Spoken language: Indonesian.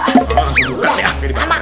langsung buka ya